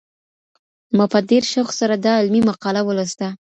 ما په ډېر شوق سره دا علمي مقاله ولوسته.